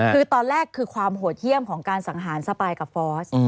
คือตอนแรกคือความโหดเยี่ยมของการสังหารสปายกับฟอส